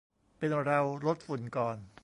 เป็นเรา ลดฝุ่นก่อน